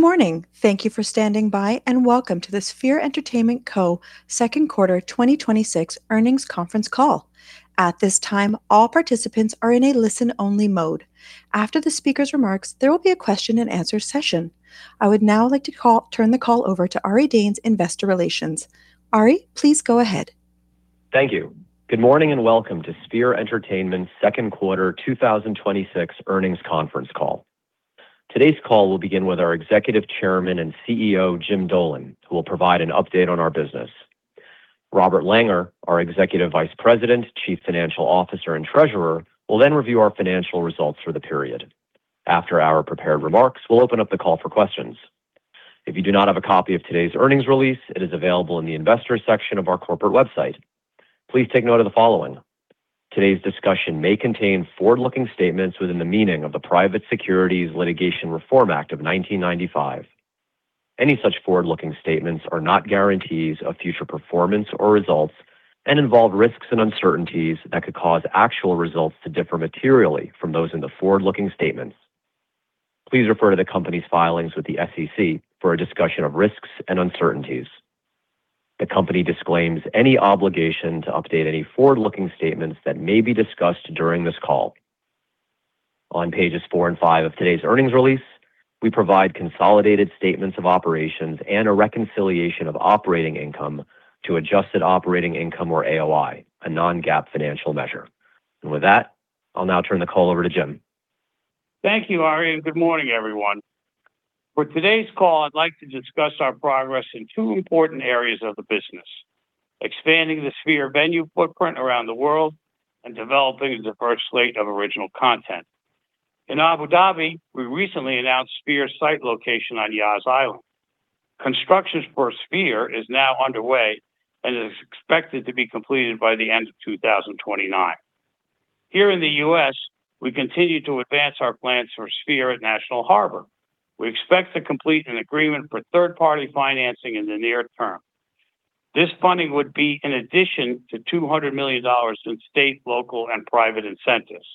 Good morning. Thank you for standing by, and welcome to the Sphere Entertainment Co second quarter 2026 earnings conference call. At this time, all participants are in a listen-only mode. After the speaker's remarks, there will be a question-and-answer session. I would now like to turn the call over to Ari Danes, Investor Relations. Ari, please go ahead. Thank you. Good morning and welcome to Sphere Entertainment second quarter 2026 earnings conference call. Today's call will begin with our Executive Chairman and CEO, Jim Dolan, who will provide an update on our business. Robert Langer, our Executive Vice President, Chief Financial Officer, and Treasurer, will then review our financial results for the period. After our prepared remarks, we'll open up the call for questions. If you do not have a copy of today's earnings release, it is available in the Investors section of our corporate website. Please take note of the following. Today's discussion may contain forward-looking statements within the meaning of the Private Securities Litigation Reform Act of 1995. Any such forward-looking statements are not guarantees of future performance or results and involve risks and uncertainties that could cause actual results to differ materially from those in the forward-looking statements. Please refer to the company's filings with the SEC for a discussion of risks and uncertainties. The company disclaims any obligation to update any forward-looking statements that may be discussed during this call. On pages four and five of today's earnings release, we provide consolidated statements of operations and a reconciliation of operating income to adjusted operating income, or AOI, a non-GAAP financial measure. With that, I'll now turn the call over to Jim. Thank you, Ari, and good morning, everyone. For today's call, I'd like to discuss our progress in two important areas of the business, expanding the Sphere venue footprint around the world and developing a diverse slate of original content. In Abu Dhabi, we recently announced Sphere's site location on Yas Island. Construction for Sphere is now underway and is expected to be completed by the end of 2029. Here in the U.S., we continue to advance our plans for Sphere at National Harbor. We expect to complete an agreement for third-party financing in the near term. This funding would be in addition to $200 million in state, local, and private incentives.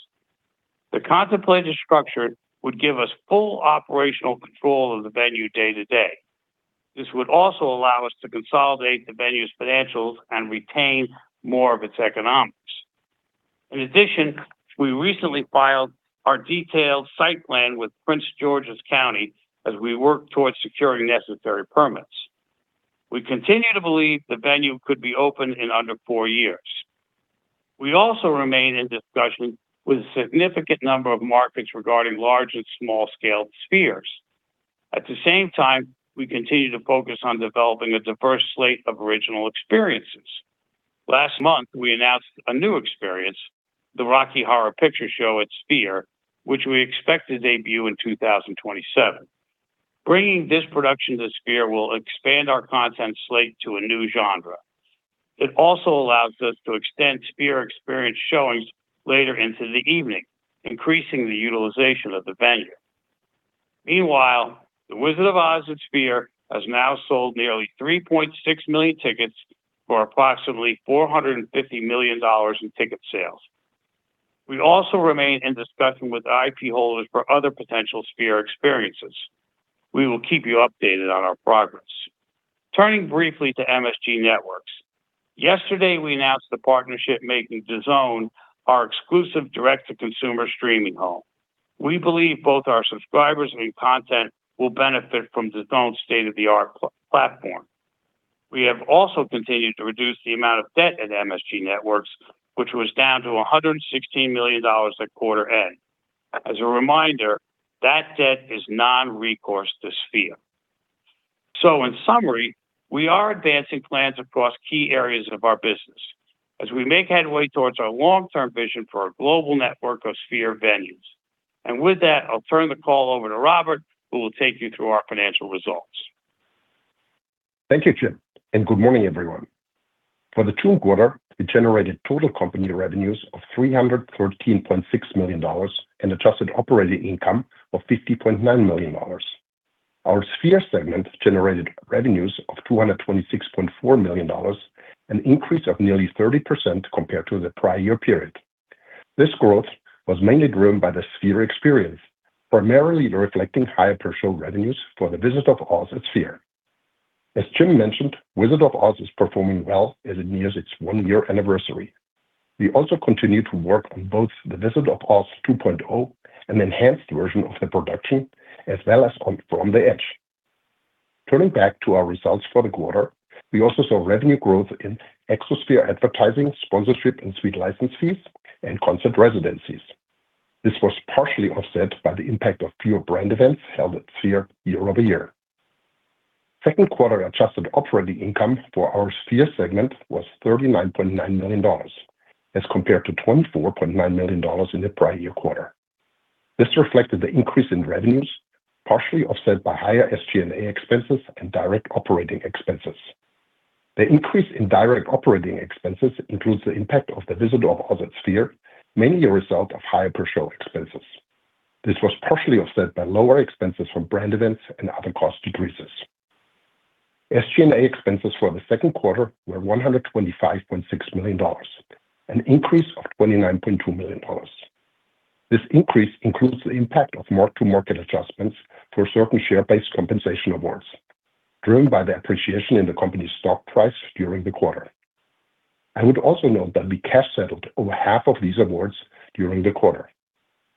The contemplated structure would give us full operational control of the venue day-to-day. This would also allow us to consolidate the venue's financials and retain more of its economics. In addition, we recently filed our detailed site plan with Prince George's County as we work towards securing necessary permits. We continue to believe the venue could be open in under four years. We also remain in discussion with a significant number of markets regarding large and small-scaled Spheres. At the same time, we continue to focus on developing a diverse slate of original experiences. Last month, we announced a new experience, The Rocky Horror Picture Show at Sphere, which we expect to debut in 2027. Bringing this production to Sphere will expand our content slate to a new genre. It also allows us to extend Sphere experience showings later into the evening, increasing the utilization of the venue. Meanwhile, The Wizard of Oz at Sphere has now sold nearly 3.6 million tickets for approximately $450 million in ticket sales. We also remain in discussion with IP holders for other potential Sphere experiences. We will keep you updated on our progress. Turning briefly to MSG Networks. Yesterday, we announced the partnership making DAZN our exclusive direct-to-consumer streaming home. We believe both our subscribers and content will benefit from DAZN's state-of-the-art platform. We have also continued to reduce the amount of debt at MSG Networks, which was down to $116 million at quarter end. As a reminder, that debt is non-recourse to Sphere. In summary, we are advancing plans across key areas of our business as we make headway towards our long-term vision for a global network of Sphere venues. With that, I'll turn the call over to Robert, who will take you through our financial results. Thank you, Jim, and good morning, everyone. For the second quarter, we generated total company revenues of $313.6 million and adjusted operating income of $50.9 million. Our Sphere segment generated revenues of $226.4 million, an increase of nearly 30% compared to the prior year period. This growth was mainly driven by the Sphere experience, primarily reflecting higher per-show revenues for The Wizard of Oz at Sphere. As Jim mentioned, Wizard of Oz is performing well as it nears its one-year anniversary. We also continue to work on both The Wizard of Oz 2.0, an enhanced version of the production, as well as on From The Edge. Turning back to our results for the quarter, we also saw revenue growth in Exosphere advertising, sponsorship, and suite license fees and concert residencies. This was partially offset by the impact of fewer brand events held at Sphere year-over-year. Second quarter adjusted operating income for our Sphere segment was $39.9 million as compared to $24.9 million in the prior year quarter. This reflected the increase in revenues, partially offset by higher SG&A expenses and direct operating expenses. The increase in direct operating expenses includes the impact of The Wizard of Oz at Sphere, mainly a result of higher per-show expenses. This was partially offset by lower expenses from brand events and other cost decreases. SG&A expenses for the second quarter were $125.6 million, an increase of $29.2 million. This increase includes the impact of mark-to-market adjustments for certain share-based compensation awards driven by the appreciation in the company's stock price during the quarter. I would also note that we cash-settled over half of these awards during the quarter.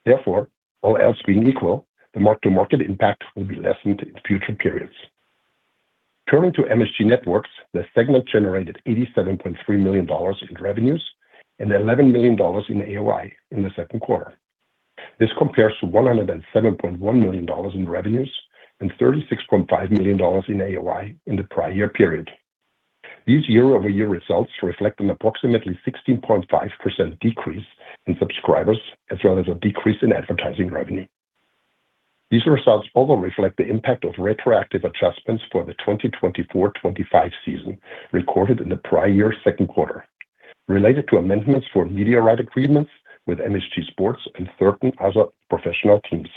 Therefore, all else being equal, the mark-to-market impact will be lessened in future periods. Turning to MSG Networks, the segment generated $87.3 million in revenues and $11 million in AOI in the second quarter. This compares to $107.1 million in revenues and $36.5 million in AOI in the prior year period. These year-over-year results reflect an approximately 16.5% decrease in subscribers, as well as a decrease in advertising revenue. These results also reflect the impact of retroactive adjustments for the 2024/2025 season recorded in the prior year's second quarter related to amendments for media rights agreements with MSG Sports and certain other professional teams.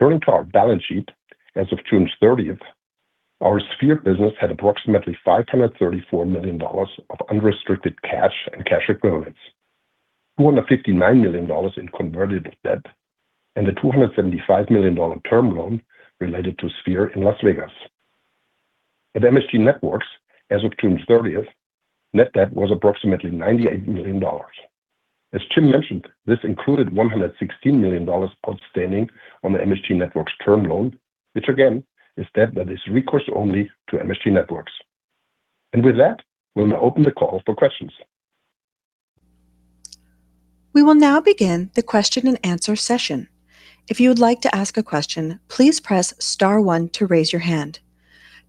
Turning to our balance sheet, as of June 30th, our Sphere business had approximately $534 million of unrestricted cash and cash equivalents, $259 million in convertible debt, and a $275 million term loan related to Sphere in Las Vegas. At MSG Networks, as of June 30th, net debt was approximately $98 million. As Jim mentioned, this included $116 million outstanding on the MSG Networks term loan, which again, is debt that is recourse only to MSG Networks. With that, we'll now open the call for questions. We will now begin the question-and-answer session. If you would like to ask a question, please press star one to raise your hand.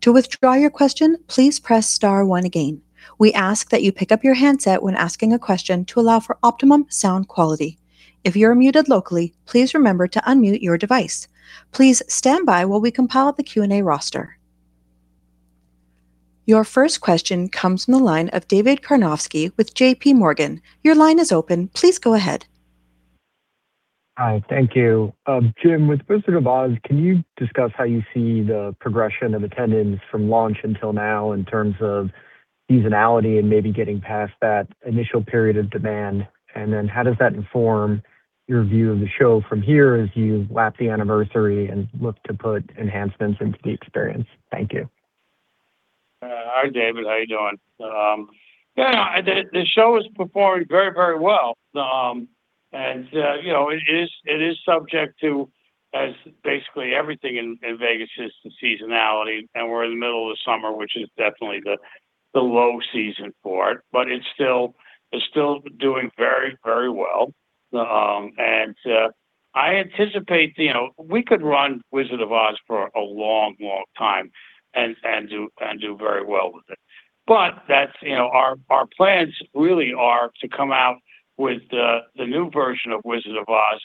To withdraw your question, please press star one again. We ask that you pick up your handset when asking a question to allow for optimum sound quality. If you're muted locally, please remember to unmute your device. Please stand by while we compile the Q&A roster. Your first question comes from the line of David Karnovsky with JPMorgan. Your line is open. Please go ahead. Hi. Thank you. Jim, with Wizard of Oz, can you discuss how you see the progression of attendance from launch until now in terms of seasonality and maybe getting past that initial period of demand? Then how does that inform your view of the show from here as you lap the anniversary and look to put enhancements into the experience? Thank you. Hi, David. How you doing? Yeah. The show is performing very well. It is subject to, as basically everything in Vegas is, to seasonality, and we're in the middle of the summer, which is definitely the low season for it. It's still doing very well. I anticipate we could run Wizard of Oz for a long time and do very well with it. Our plans really are to come out with the new version of Wizard of Oz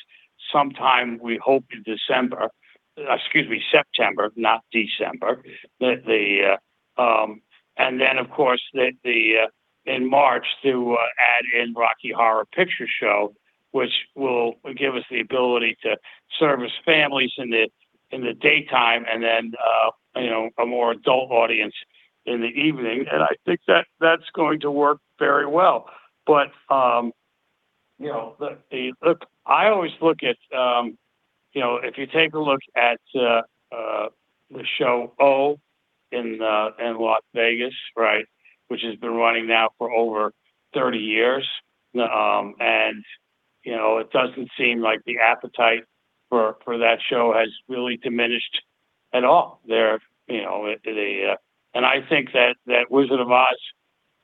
sometime, we hope in December. Excuse me, September, not December. Then, of course, in March to add in Rocky Horror Picture Show, which will give us the ability to service families in the daytime and then a more adult audience in the evening. I think that's going to work very well. I always look at if you take a look at the show, O in Las Vegas, which has been running now for over 30 years, it doesn't seem like the appetite for that show has really diminished at all there. I think that Wizard of Oz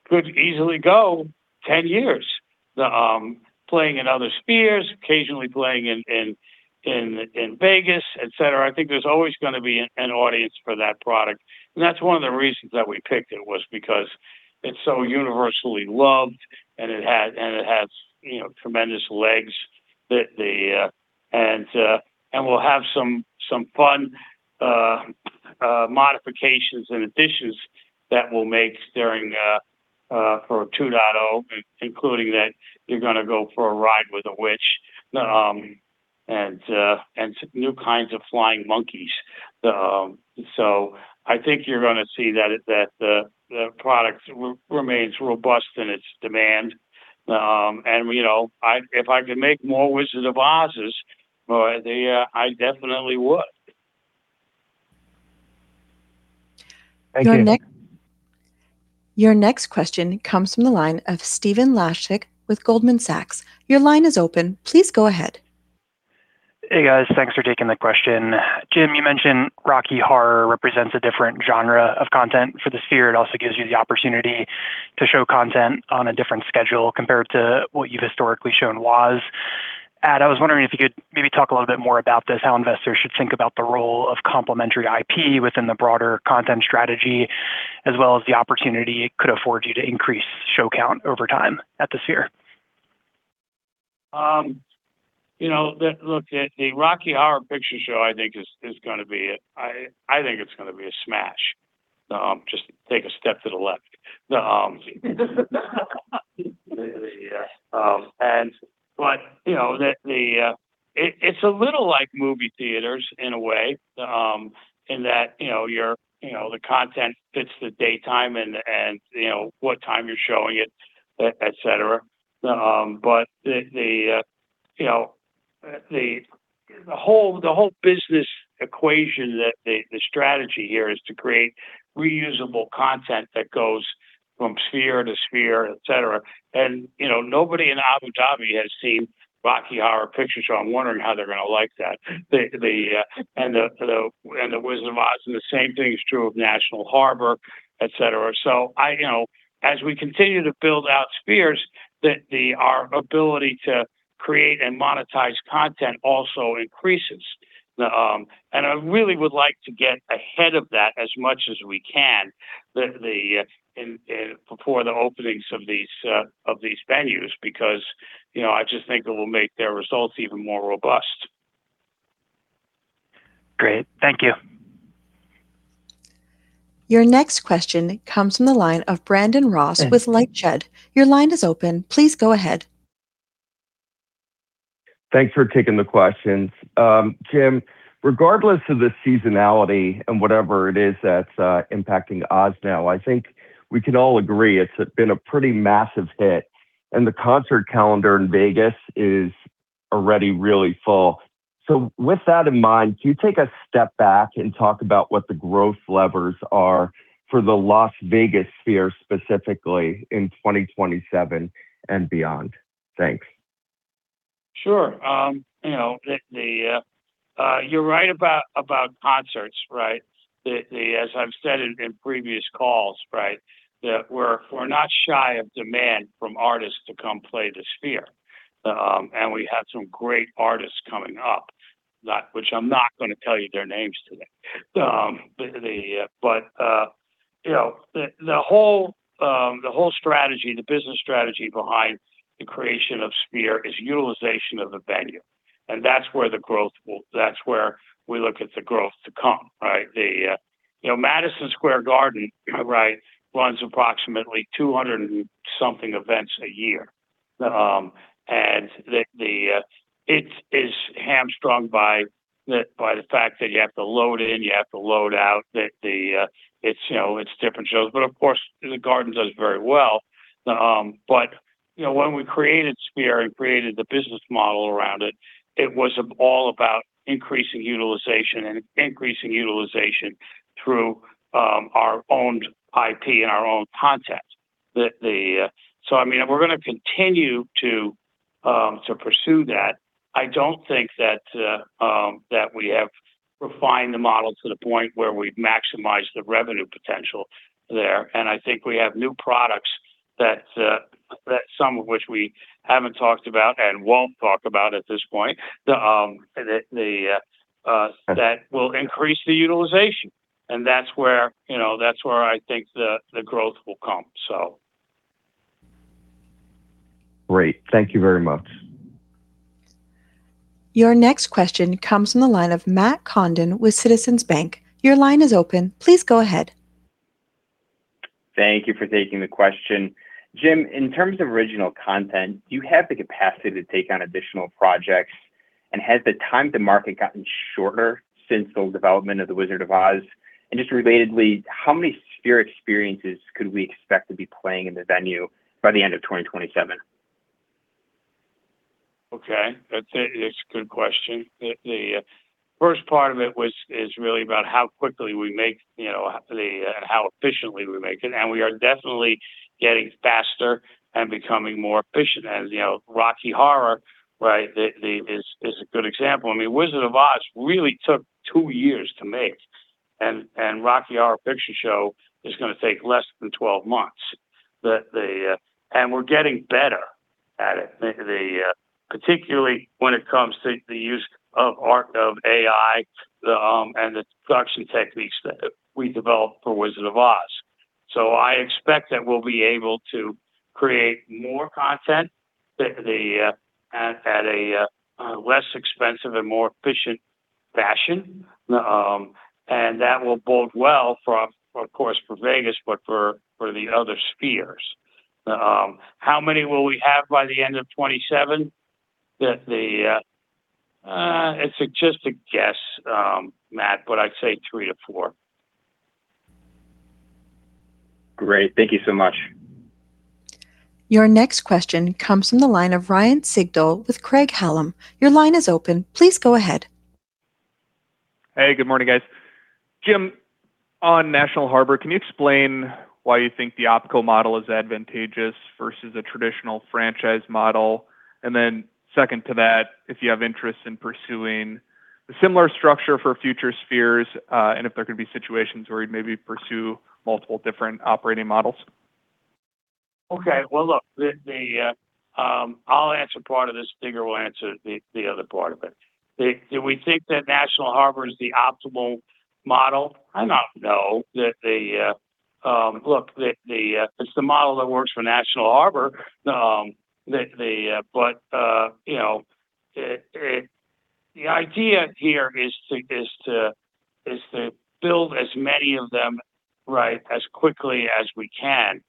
could easily go 10 years, playing in other Spheres, occasionally playing in Vegas, etc. I think there's always going to be an audience for that product, that's one of the reasons that we picked it was because it's so universally loved, it has tremendous legs. We'll have some fun modifications and additions that we'll make for 2.0, including that you're going to go for a ride with a witch, and new kinds of flying monkeys. I think you're going to see that the product remains robust in its demand. If I could make more Wizard of Oz's, boy, I definitely would. Thank you. Your next question comes from the line of Stephen Laszczyk with Goldman Sachs. Your line is open. Please go ahead. Hey, guys. Thanks for taking the question. Jim, you mentioned Rocky Horror represents a different genre of content for the Sphere. It also gives you the opportunity to show content on a different schedule compared to what you've historically shown Oz. I was wondering if you could maybe talk a little bit more about this, how investors should think about the role of complementary IP within the broader content strategy, as well as the opportunity it could afford you to increase show count over time at the Sphere. Look, The Rocky Horror Picture Show, I think it's going to be a smash. Just take a step to the left. It's a little like movie theaters in a way, in that the content fits the daytime and what time you're showing it, etc. The whole business equation that the strategy here is to create reusable content that goes from Sphere to Sphere, etc. Nobody in Abu Dhabi has seen Rocky Horror Picture Show. I'm wondering how they're going to like that. The Wizard of Oz, and the same thing is true of National Harbor, etc. As we continue to build out Spheres, that our ability to create and monetize content also increases. I really would like to get ahead of that as much as we can before the openings of these venues, because I just think it will make their results even more robust. Great. Thank you. Your next question comes from the line of Brandon Ross with LightShed. Your line is open. Please go ahead. Thanks for taking the questions. Jim, regardless of the seasonality and whatever it is that's impacting Oz now, I think we can all agree it's been a pretty massive hit, and the concert calendar in Vegas is already really full. With that in mind, can you take a step back and talk about what the growth levers are for the Las Vegas Sphere specifically in 2027 and beyond? Thanks. Sure. You're right about concerts. As I've said in previous calls, that we're not shy of demand from artists to come play the Sphere. We have some great artists coming up, which I'm not going to tell you their names today. The whole strategy, the business strategy behind the creation of Sphere is utilization of the venue. That's where we look at the growth to come. Madison Square Garden runs approximately 200 and something events a year. It is hamstrung by the fact that you have to load in, you have to load out. It's different shows, but of course, the Garden does very well. When we created Sphere and created the business model around it was all about increasing utilization and increasing utilization through our owned IP and our own content. I mean, we're going to continue to pursue that, I don't think that we have refined the model to the point where we've maximized the revenue potential there. I think we have new products, that some of which we haven't talked about and won't talk about at this point that will increase the utilization. That's where I think the growth will come. Great. Thank you very much. Your next question comes from the line of Matt Condon with Citizens Bank. Your line is open. Please go ahead. Thank you for taking the question. Jim, in terms of original content, do you have the capacity to take on additional projects? Has the time to market gotten shorter since the development of The Wizard of Oz? Just relatedly, how many Sphere experiences could we expect to be playing in the venue by the end of 2027? Okay. That's a good question. The first part of it is really about how quickly we make, how efficiently we make it. We are definitely getting faster and becoming more efficient. As you know, Rocky Horror is a good example. I mean, Wizard of Oz really took two years to make. Rocky Horror Picture Show is going to take less than 12 months. We're getting better at it, particularly when it comes to the use of AI and the production techniques that we developed for Wizard of Oz. I expect that we'll be able to create more content at a less expensive and more efficient fashion. That will bode well, of course, for Vegas, but for the other spheres. How many will we have by the end of 2027? It's just a guess, Matt, but I'd say three to four. Great. Thank you so much. Your next question comes from the line of Ryan Sigdahl with Craig-Hallum. Your line is open. Please go ahead. Hey, good morning, guys. Jim, on National Harbor, can you explain why you think the opco model is advantageous versus a traditional franchise model? Second to that, if you have interest in pursuing a similar structure for future Spheres, and if there could be situations where you'd maybe pursue multiple different operating models? Okay. Well, look, I'll answer part of this, Digger will answer the other part of it. Do we think that National Harbor is the optimal model? I don't know. Look, it's the model that works for National Harbor. The idea here is to build as many of them as quickly as we can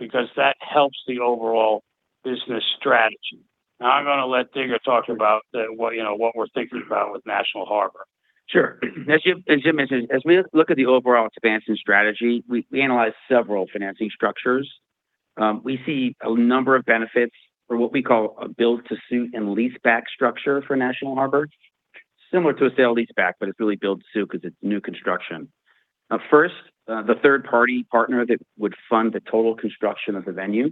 because that helps the overall business strategy. I'm going to let Digger talk about what we're thinking about with National Harbor. Sure. As Jim mentioned, as we look at the overall expansion strategy, we analyze several financing structures. We see a number of benefits for what we call a build to suit and leaseback structure for National Harbor, similar to a sale leaseback, but it's really build to suit because it's new construction. First, the third-party partner that would fund the total construction of the venue.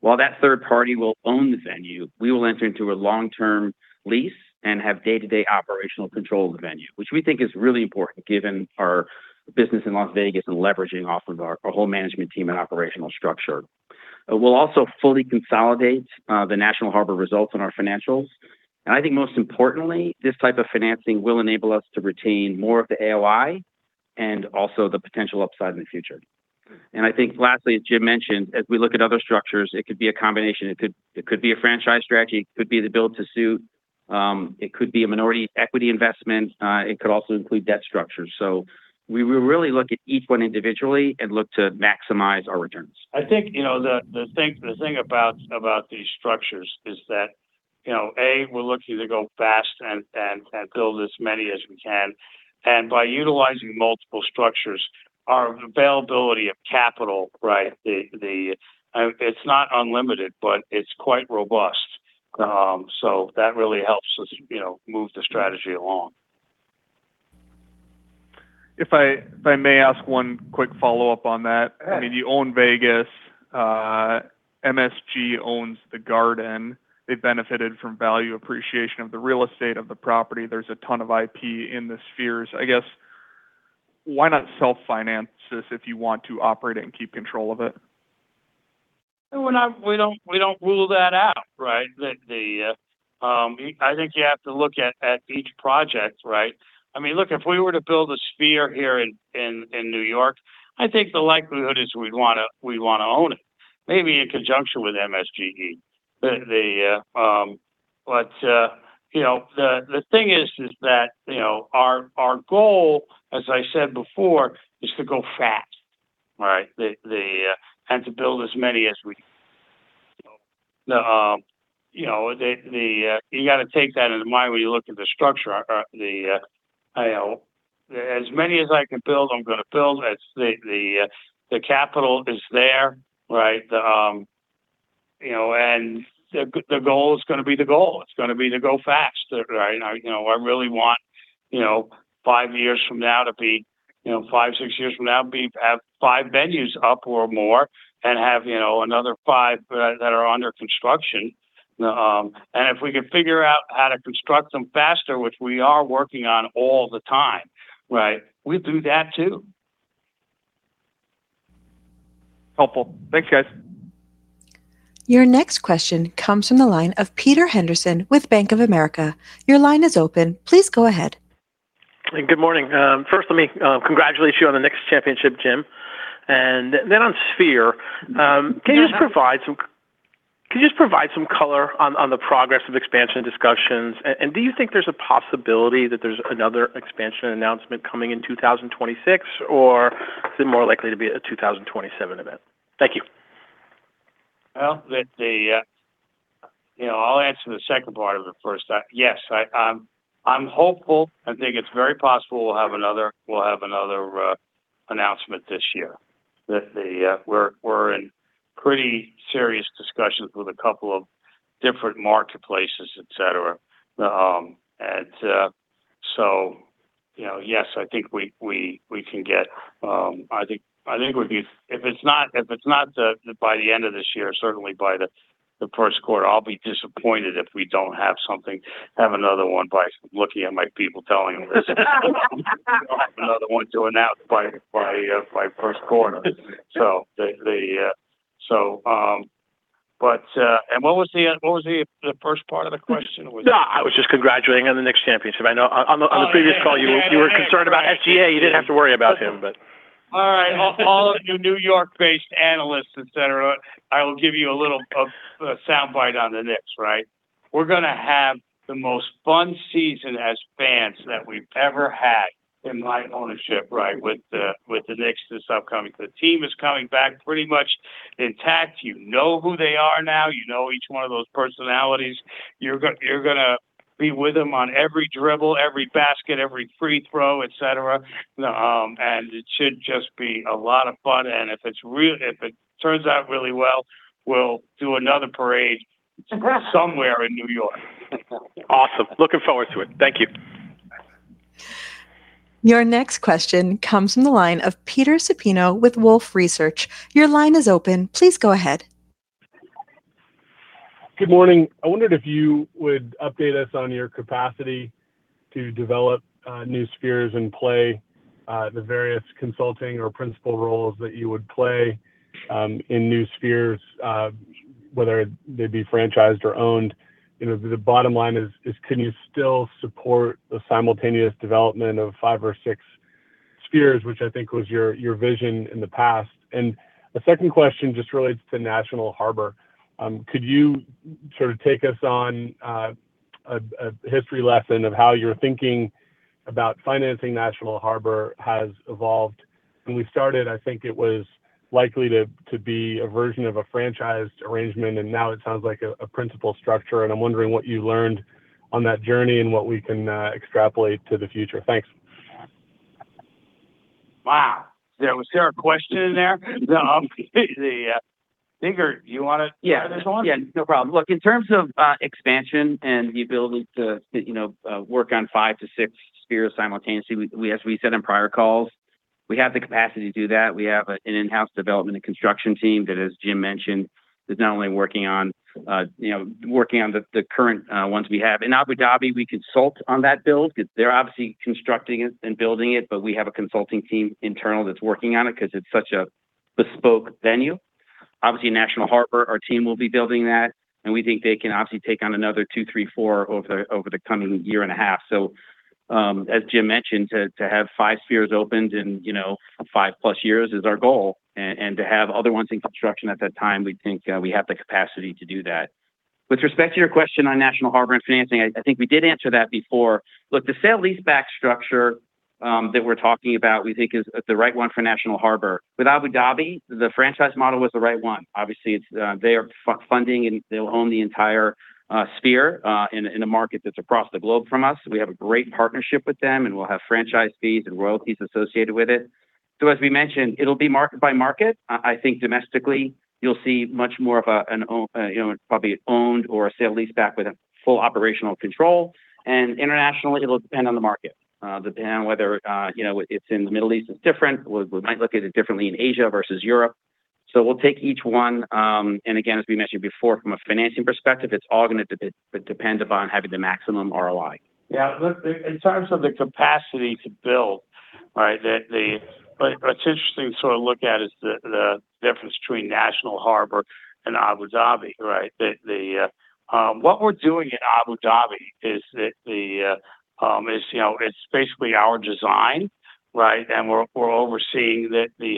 While that third party will own the venue, we will enter into a long-term lease and have day-to-day operational control of the venue, which we think is really important given our business in Las Vegas and leveraging off of our whole management team and operational structure. We'll also fully consolidate the National Harbor results on our financials. I think most importantly, this type of financing will enable us to retain more of the AOI and also the potential upside in the future. I think lastly, as Jim mentioned, as we look at other structures, it could be a combination. It could be a franchise strategy, it could be the build to suit, it could be a minority equity investment. It could also include debt structures. We really look at each one individually and look to maximize our returns. I think, the thing about these structures is that, A, we're looking to go fast and build as many as we can. By utilizing multiple structures, our availability of capital, it's not unlimited, but it's quite robust. That really helps us move the strategy along. If I may ask one quick follow-up on that. Yes. You own Vegas. MSG owns The Garden. They've benefited from value appreciation of the real estate, of the property. There's a ton of IP in the Spheres. I guess, why not self-finance this if you want to operate it and keep control of it? We don't rule that out. I think you have to look at each project. Look, if we were to build a Sphere here in New York, I think the likelihood is we'd want to own it, maybe in conjunction with MSGE. The thing is that our goal, as I said before, is to go fast and to build. You've got to take that into mind when you look at the structure. As many as I can build, I'm going to build. The capital is there. The goal is going to be the goal. It's going to be to go fast. I really want five, six years from now, have five venues up or more and have another five that are under construction. If we can figure out how to construct them faster, which we are working on all the time, we'd do that, too. Helpful. Thanks, guys. Your next question comes from the line of Peter Henderson with Bank of America. Your line is open. Please go ahead. Good morning. First, let me congratulate you on the Knicks championship, Jim. Then on Sphere, can you just provide some color on the progress of expansion discussions? Do you think there's a possibility that there's another expansion announcement coming in 2026, or is it more likely to be a 2027 event? Thank you. I'll answer the second part of it first. Yes, I'm hopeful. I think it's very possible we'll have another announcement this year. We're in pretty serious discussions with a couple of different marketplaces, etc. Yes, I think if it's not by the end of this year, certainly by the first quarter, I'll be disappointed if we don't have something. We'll have another one to announce by first quarter. What was the first part of the question? I was just congratulating on the Knicks championship. I know on the previous call you were concerned about SGA. You didn't have to worry about him. All you New York-based analysts, etc, I will give you a little soundbite on the Knicks. We're going to have the most fun season as fans that we've ever had in my ownership with the Knicks this upcoming. The team is coming back pretty much intact. You know who they are now. You know each one of those personalities. You're going to be with them on every dribble, every basket, every free throw, etc. If it turns out really well, we'll do another parade somewhere in New York. Awesome. Looking forward to it. Thank you. Your next question comes from the line of Peter Supino with Wolfe Research. Your line is open. Please go ahead. Good morning. I wondered if you would update us on your capacity to develop new Spheres in play, the various consulting or principal roles that you would play in new Spheres, whether they'd be franchised or owned. The bottom line is, can you still support the simultaneous development of five or six spheres, which I think was your vision in the past. The second question just relates to National Harbor. Could you sort of take us on a history lesson of how your thinking about financing National Harbor has evolved? When we started, I think it was likely to be a version of a franchised arrangement, and now it sounds like a principal structure, and I'm wondering what you learned on that journey and what we can extrapolate to the future. Thanks. Wow. Was there a question in there? Digger, do you want to start this one? Yeah. No problem. Look, in terms of expansion and the ability to work on five to six Spheres simultaneously, as we said in prior calls, we have the capacity to do that. We have an in-house development and construction team that, as Jim mentioned, is not only working on the current ones we have. In Abu Dhabi, we consult on that build because they're obviously constructing it and building it, but we have a consulting team internal that's working on it because it's such a bespoke venue. Obviously, National Harbor, our team will be building that, and we think they can obviously take on another two, three, four over the coming year and a half. As Jim mentioned, to have five Spheres opened in five plus years is our goal. To have other ones in construction at that time, we think we have the capacity to do that. With respect to your question on National Harbor and financing, I think we did answer that before. Look, the sale leaseback structure that we're talking about, we think is the right one for National Harbor. With Abu Dhabi, the franchise model was the right one. Obviously, they are funding and they'll own the entire Sphere in a market that's across the globe from us. We have a great partnership with them, and we'll have franchise fees and royalties associated with it. As we mentioned, it'll be market by market. I think domestically, you'll see much more of a probably owned or a sale leaseback with a full operational control, and internationally, it'll depend on the market. Depending on whether it's in the Middle East, it's different. We might look at it differently in Asia versus Europe. We'll take each one, and again, as we mentioned before, from a financing perspective, it's all going to be dependent on having the maximum ROI. Yeah, look, in terms of the capacity to build, what's interesting to sort of look at is the difference between National Harbor and Abu Dhabi, right? What we're doing in Abu Dhabi is basically our design, right? We're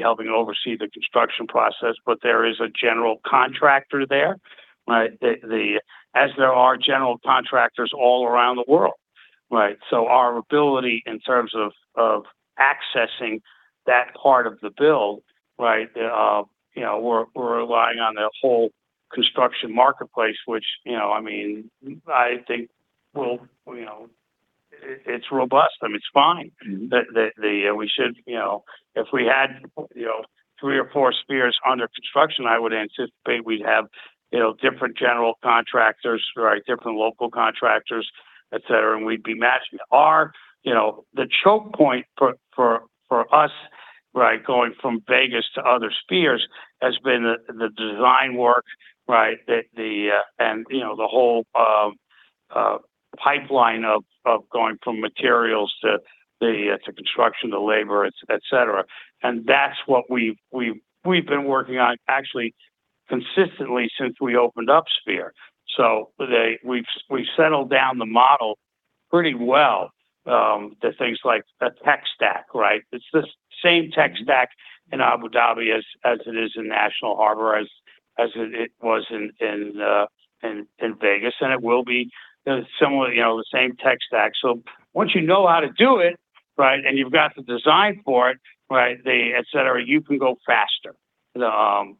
helping oversee the construction process, but there is a general contractor there, as there are general contractors all around the world. Right. Our ability in terms of accessing that part of the build, we're relying on the whole construction marketplace, which, I think it's robust. I mean, it's fine. If we had three or four Spheres under construction, I would anticipate we'd have different general contractors, different local contractors, etc, and we'd be matching. The choke point for us, going from Vegas to other Spheres, has been the design work, and the whole pipeline of going from materials to construction to labor, etc. That's what we've been working on, actually, consistently since we opened up Sphere. We've settled down the model pretty well to things like a tech stack, right? It's the same tech stack in Abu Dhabi as it is in National Harbor, as it was in Vegas, it will be the same tech stack. Once you know how to do it and you've got the design for it, etc, you can go faster. That's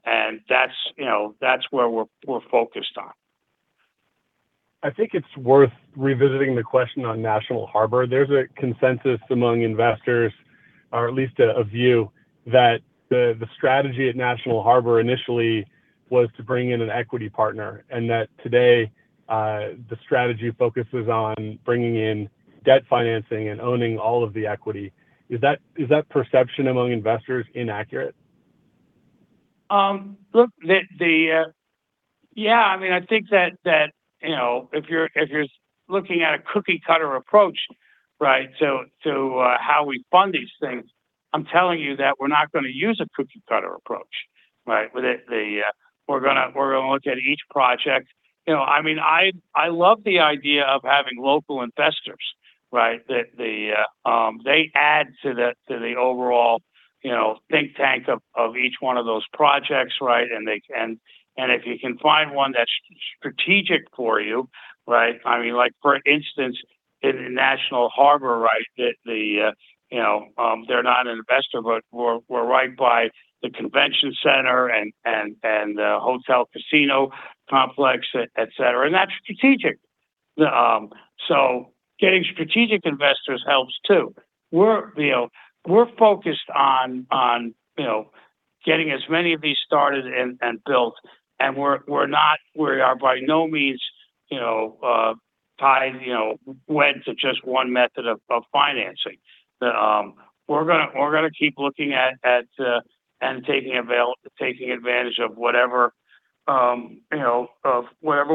where we're focused on. I think it's worth revisiting the question on National Harbor. There's a consensus among investors, or at least a view, that the strategy at National Harbor initially was to bring in an equity partner, that today, the strategy focuses on bringing in debt financing and owning all of the equity. Is that perception among investors inaccurate? Yeah. I think that if you're looking at a cookie cutter approach to how we fund these things, I'm telling you that we're not going to use a cookie cutter approach. We're going to look at each project. I love the idea of having local investors. They add to the overall think tank of each one of those projects. If you can find one that's strategic for you, like for instance, in National Harbor, they're not an investor, but we're right by the convention center and the hotel casino complex, etc. That's strategic. Getting strategic investors helps, too. We're focused on getting as many of these started and built, we are by no means tied wed to just one method of financing. We're going to keep looking at and taking advantage of whatever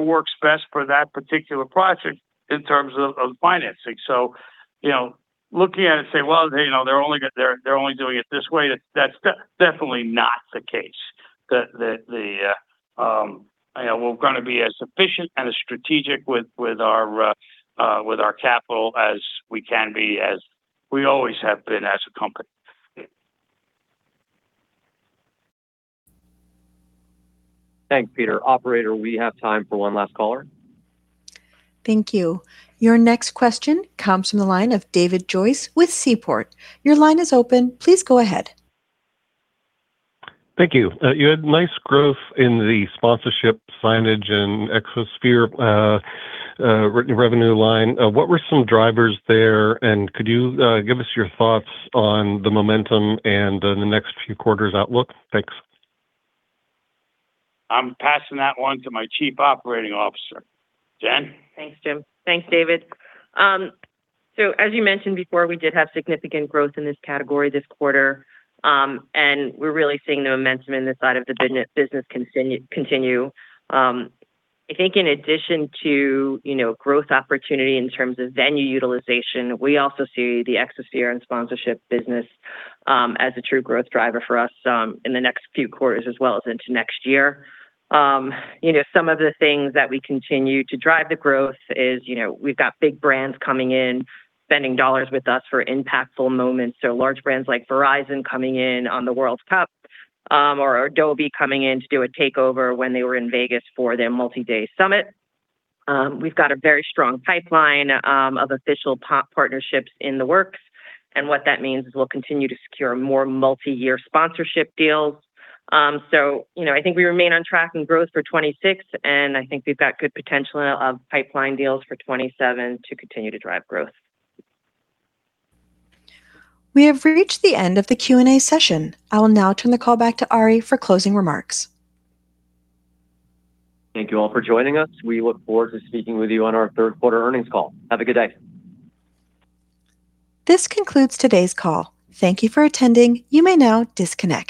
works best for that particular project in terms of financing. Looking at it and saying, well, they're only doing it this way, that's definitely not the case. That we're going to be as efficient and as strategic with our capital as we can be, as we always have been as a company. Thanks, Peter. Operator, we have time for one last caller. Thank you. Your next question comes from the line of David Joyce with Seaport. Your line is open. Please go ahead. Thank you. You had nice growth in the sponsorship signage and Exosphere revenue line. What were some drivers there, and could you give us your thoughts on the momentum in the next few quarters outlook? Thanks. I'm passing that one to my Chief Operating Officer, Jen? Thanks, Jim. Thanks, David. As you mentioned before, we did have significant growth in this category this quarter, and we are really seeing the momentum in this side of the business continue. I think in addition to growth opportunity in terms of venue utilization, we also see the Exosphere and sponsorship business as a true growth driver for us in the next few quarters as well as into next year. Some of the things that we continue to drive the growth is we have got big brands coming in, spending dollars with us for impactful moments. Large brands like Verizon coming in on the World Cup, or Adobe coming in to do a takeover when they were in Vegas for their multi-day summit. We have got a very strong pipeline of official partnerships in the works, and what that means is we will continue to secure more multi-year sponsorship deals. I think we remain on track in growth for 2026, and I think we have got good potential of pipeline deals for 2027 to continue to drive growth. We have reached the end of the Q&A session. I will now turn the call back to Ari for closing remarks. Thank you all for joining us. We look forward to speaking with you on our third quarter earnings call. Have a good day. This concludes today's call. Thank you for attending. You may now disconnect.